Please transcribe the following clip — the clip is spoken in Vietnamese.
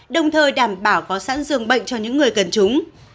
đồng thời đảm bảo có sẵn dường bệnh cho những người cần chúng